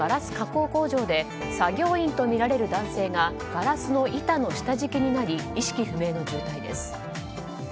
工場で作業員とみられる男性がガラスの板の下敷きになり意識不明の重体です。